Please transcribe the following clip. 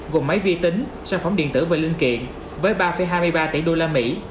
gồm máy vi tính xa phóng điện tử và linh kiện với ba hai mươi ba tỷ usd